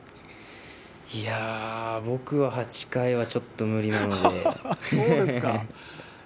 いやぁ、僕は８回はちょっと無理なので。